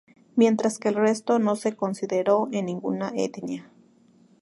Mientras que el resto no se consideró en ninguna etnia.